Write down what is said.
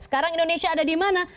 sekarang indonesia ada di mana